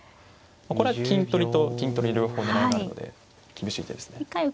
これは金取りと銀取り両方狙いがあるので厳しい手ですね。